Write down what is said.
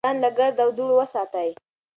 ځان له ګرد او دوړو وساتئ.